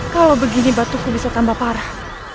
kalau begini batuku bisa tambah parah